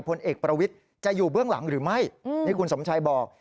พลเอกประวิทย์จะอยู่เบื้องหลังหรือไม่นี่คุณสมชัยบอก